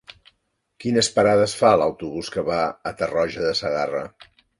Quines parades fa l'autobús que va a Tarroja de Segarra?